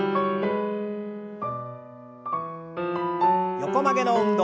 横曲げの運動。